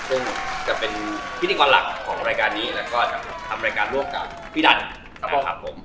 ซึ่งจะเป็นพิธีกรหลักของรายการนี้แล้วก็จะทำรายการร่วมกับพี่ดันสำหรับผม